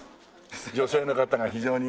女性の方が非常にね。